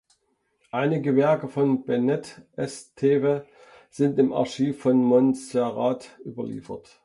Einige Werke von Benet Esteve sind im Archiv von Montserrat überliefert.